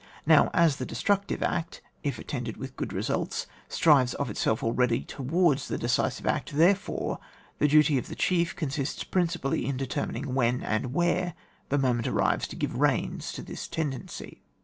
Now as the destructive act, if attended with good results, strives of itself already towards the decisive act; therefore the duty of the chief consists principally in determining when and where the moment arrives to give the reins to this tendency.